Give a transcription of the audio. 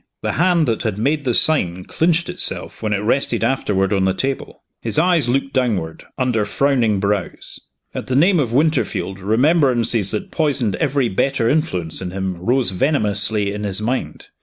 The hand that had made the sign clinched itself when it rested afterward on the table. His eyes looked downward, under frowning brows. At the name of Winterfield, remembrances that poisoned every better influence in him rose venomously in his mind.